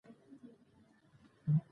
مصدر د جملې مانا بشپړوي.